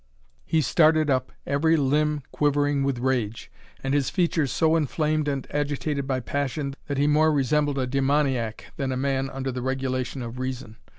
He started up, every limb quivering with rage, and his features so inflamed and agitated by passion, that he more resembled a demoniac, than a man under the regulation of reason.